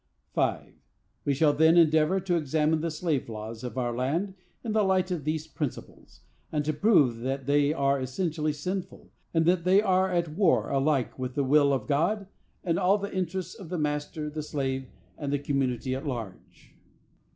5. We shall then endeavor to examine the slave laws of our land in the light of these principles, and to prove that they are essentially sinful, and that they are at war alike with the will of God and all the interests of the master, the slave, and the community at large.